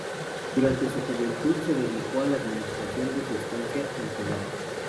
Durante su juventud se dedicó a la administración de su estancia en Pilar.